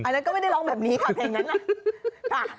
อันนั้นก็ไม่ได้ร้องแบบนี้ค่ะเพลงนั้นน่ะ